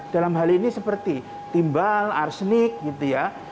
dalam hal ini seperti timbal arsenik gitu ya